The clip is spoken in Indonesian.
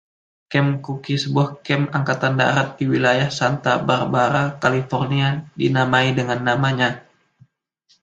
Camp Cooke, sebuah kamp Angkatan Darat di wilayah Santa Barbara, California, dinamai dengan namanya.